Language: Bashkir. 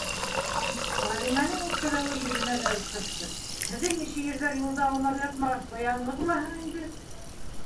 - Ғәлимәнең үпкәләүе йөҙөнә бәреп сыҡты. - һеҙҙең ише ирҙәр юлда аунап ятмағас, яңғыҙ булаһың инде!